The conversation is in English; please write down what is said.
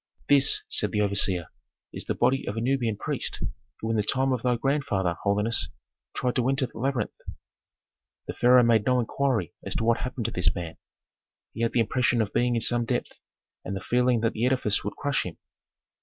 "This," said the overseer, "is the body of a Nubian priest, who in the time of thy grandfather, holiness, tried to enter the labyrinth." The pharaoh made no inquiry as to what happened to this man. He had the impression of being in some depth and the feeling that the edifice would crush him.